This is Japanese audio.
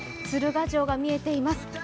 鶴ヶ城が見えています。